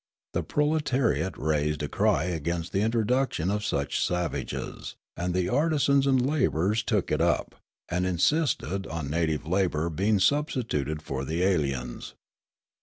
The proletariate raised a cry against the introduction of such savages ; and the artisans and labourers took it up, and insisted on native labour being substituted for the aliens.